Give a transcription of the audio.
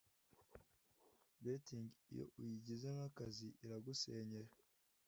Betting iyo uyigize nk’akazi iragusenyera,